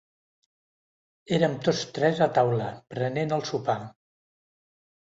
Érem tots tres a taula, prenent el sopar.